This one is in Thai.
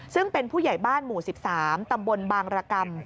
ซึ่งเป็นผู้ใหญ่บ้านหมู่๑๓ตำบลบางรกรรม